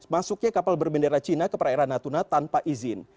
masuknya kapal berbendera cina ke perairan natuna tanpa izin